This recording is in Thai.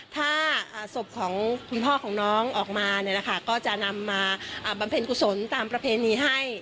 ถ้าศพของคุณพ่อของน้องออกมาเนี่ยนะคะก็จะนำมาบำเพ็ญกุศลตามประเพณีให้